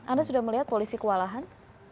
anda sudah melihat polisi kewalahan